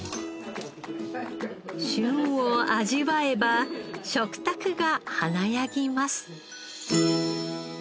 旬を味わえば食卓が華やぎます。